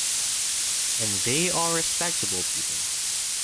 And they are respectable people.